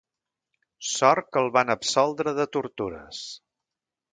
Sort que el van absoldre de tortures.